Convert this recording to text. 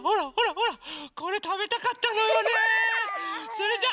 それじゃ。